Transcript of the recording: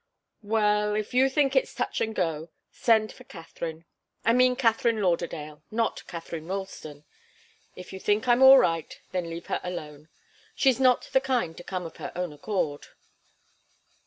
"Well if you think it's touch and go, send for Katharine I mean Katharine Lauderdale, not Katharine Ralston. If you think I'm all right, then leave her alone. She's not the kind to come of her own accord."